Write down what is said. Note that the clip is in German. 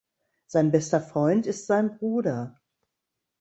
Sein bester Freund ist sein Bruder.